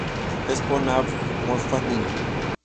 Ефрон, Илья Абрамович.